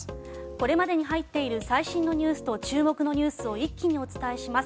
これまでに入っている最新ニュースと注目ニュースを一気にお伝えします。